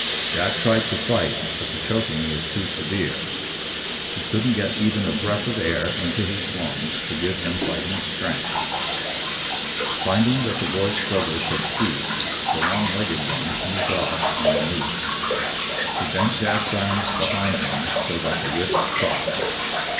Jack tried to fight, but the choking was too severe. He couldn't get even a breath of air into his lungs to give him fighting strength. Finding that the boy's struggles had ceased, the long legged one eased off on the noose. He bent Jack's arms behind him so that the wrists crossed.